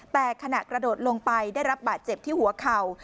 แต่ขณะกระโดดลงไปได้รับบาดเจ็บที่หัวเข่า